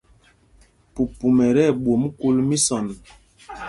Pupum ɛ tí ɛɓwôm kúl mísɔn.